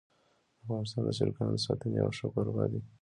افغانستان د چرګانو د ساتنې یو ښه کوربه دی.